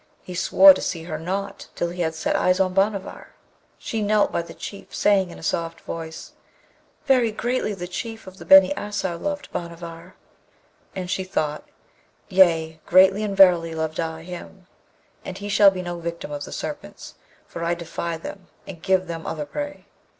He swore to see her not till he had set eyes on Bhanavar.' She knelt by the Chief, saying in a soft voice, 'Very greatly the Chief of the Beni Asser loved Bhanavar.' And she thought, 'Yea! greatly and verily love I him; and he shall be no victim of the Serpents, for I defy them and give them other prey.'